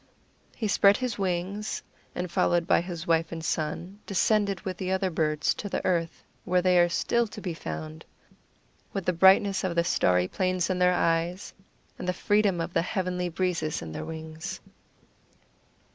He spread his wings, and, followed by his wife and son, descended with the other birds to the earth, where they are still to be found, with the brightness of the starry plains in their eyes and the freedom of the heavenly breezes in their wings.